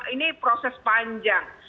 ini proses panjang